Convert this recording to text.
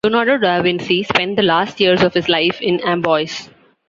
Leonardo da Vinci spent the last years of his life in Amboise.